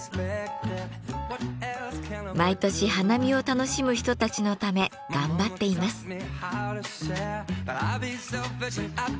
毎年花見を楽しむ人たちのため頑張っています。